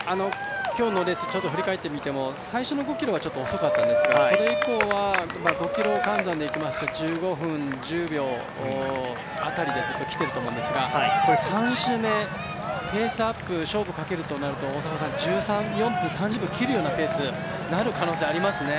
今日のレース振り返ってみても、最初の５ｋｍはちょっと遅かったんですがそれ以降は、５ｋｍ換算で言いますと１５分１０秒あたりでずっときてると思うんですが３周目、ペースアップ勝負をかけるとなると１４分１３秒を切るペースになる可能性、ありますよね。